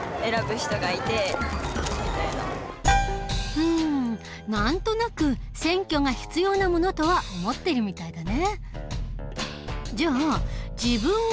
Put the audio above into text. うん何となく選挙が必要なものとは思っているみたいだね。